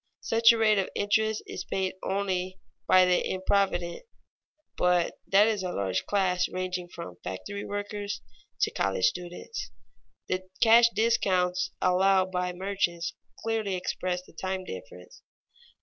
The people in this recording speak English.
Such a rate of interest is paid only by the improvident, but that is a large class ranging from factory workers to college students. The cash discounts allowed by merchants clearly express the time difference.